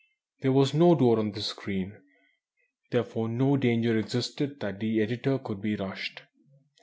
There was no door in this screen, therefore no danger existed that the editor could be "rushed."